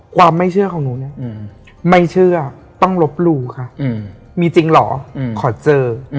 ความไม่เชื่อของหนูเนี่ยไม่เชื่อต้องลบหลู่ค่ะมีจริงเหรอขอเจอ